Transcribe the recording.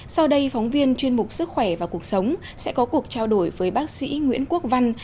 sau đây phóng viên chuyên mục sức khỏe và cuộc sống sẽ có cuộc trao đổi với bác sĩ nguyễn quốc văn